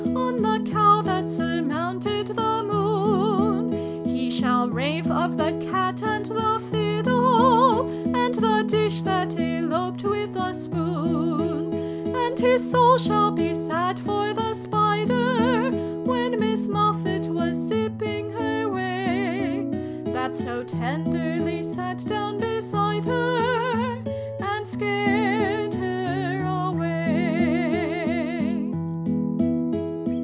On the Cow tJiat surmounted the Moon : He shall rave of the Cat and tJie Fiddle, And the Dish tJiat eloped with the Spoon: A nd his soul shall be sad for the Spider, When Jlftss Muffct zvas sipping her whey, That so tenderly sat down beside her, And scared her away